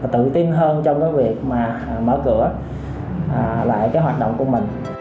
tự tin hơn trong việc mở cửa lại hoạt động của mình